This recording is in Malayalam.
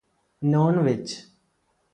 നോണ്വെജ്